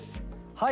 はい